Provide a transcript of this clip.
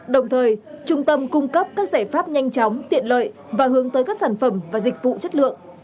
đồng thời trung tâm cung cấp các giải pháp nhanh chóng tiện lợi và hướng tới các sản phẩm và dịch vụ chất lượng